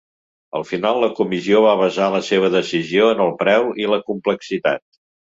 Al final, la comissió va basar la seva decisió en el preu i la complexitat.